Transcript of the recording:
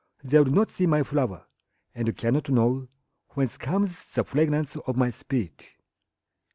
They will not see my flower, And cannot knowWhence comes the fragrance of my spirit!